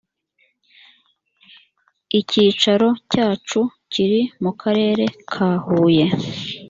icyicaro cya chu kiri mu karere ka huye